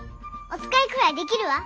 おつかいくらいできるわ。